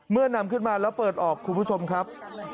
นำขึ้นมาแล้วเปิดออกคุณผู้ชมครับ